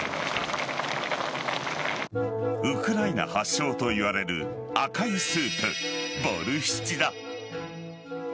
ウクライナ発祥といわれる赤いスープ、ボルシチだ。